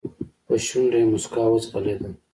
په شونډو يې موسکا وځغلېده.